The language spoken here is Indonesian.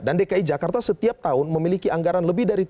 dan dki jakarta setiap tahun memiliki anggaran lebih dari tujuh puluh t